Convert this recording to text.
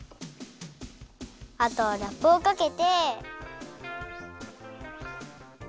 あとはラップをかけて。